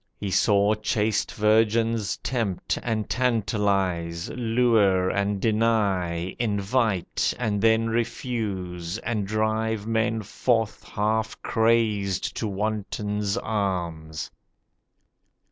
He saw chaste virgins tempt and tantalise, Lure and deny, invite—and then refuse, And drive men forth half crazed to wantons' arms.